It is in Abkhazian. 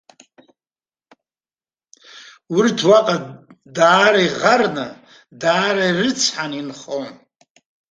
Урҭ уаҟа даара иӷарны, даара ирыцҳаны инхон.